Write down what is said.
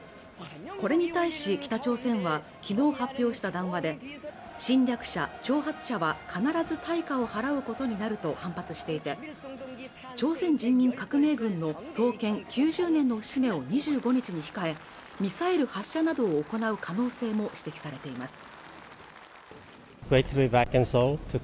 これに対し北朝鮮はきのう発表した談話で侵略者挑発者は必ず対価を払うことになると反発していて朝鮮人民革命軍の創建９０年の節目を２５日に控えミサイル発射などを行う可能性も指摘されています